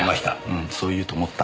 うんそう言うと思った。